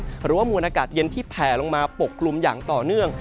หรือว่ามวลอากาศเย็นที่แผ่ลงมาปกกลุ่มอย่างต่อเนื่อง